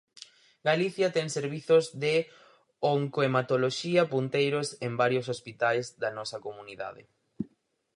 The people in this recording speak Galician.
Galicia ten servizos de oncohematoloxía punteiros en varios hospitais da nosa comunidade.